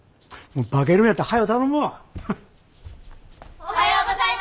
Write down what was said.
おはようございます。